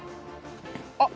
あっ！